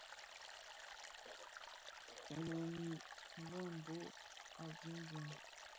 Firemi, bëbhog a jinjin.